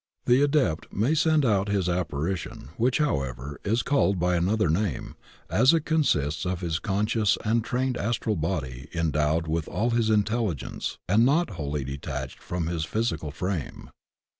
The Adept may send out his apparition, which, however, is called by another name, as it consists of his conscious and trained astral body endowed with all his intelligence and not wholly detached from his phys ical frame.